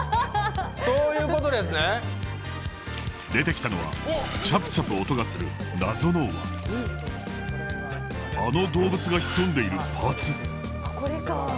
出てきたのはチャプチャプ音がするあの動物が潜んでいるパーツ？